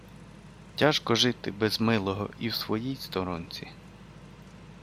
Тяжко жити без милого і в своїй сторонці!